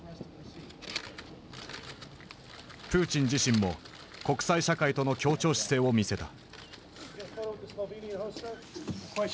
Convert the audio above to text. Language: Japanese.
プーチン自身も国際社会との協調姿勢を見せた。